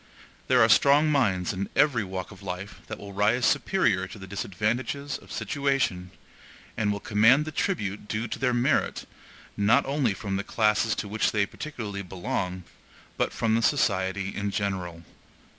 There are strong minds in every walk of life that will rise superior to the disadvantages of situation, and will command the tribute due to their merit, not only from the classes to which they particularly belong, but from the society in general.